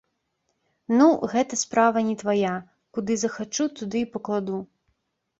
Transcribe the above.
Ну, гэта справа не твая, куды захачу, туды і пакладу.